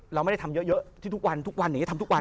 เราไม่ได้ทำเยอะที่ทุกวันทุกวันอย่างนี้ทำทุกวัน